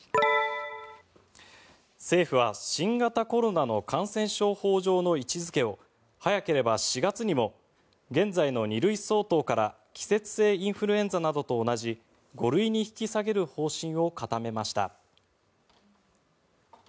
政府は新型コロナの感染症法上の位置付けを早ければ４月にも現在の２類相当から季節性インフルエンザなどと同じ５類に引き下げる方針を固めました。